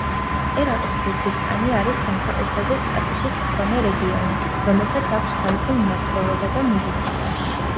ერაყის ქურთისტანი არის განსაკუთრებულ სტატუსის მქონე რეგიონი, რომელსაც აქვს თავისი მმართველობა და მილიცია.